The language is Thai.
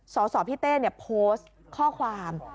สตชโพสต์ข้อความ